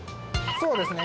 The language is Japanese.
そうですね。